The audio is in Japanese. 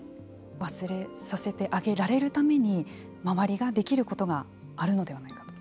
忘れさせてあげられるために周りができることがあるのではないかと。